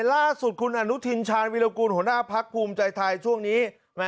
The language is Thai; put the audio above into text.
ล่าสุดคุณอนุทินชาญวิรากูลหัวหน้าพักภูมิใจไทยช่วงนี้